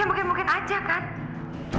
mungkin mungkin aja kan